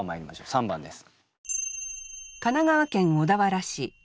３番です。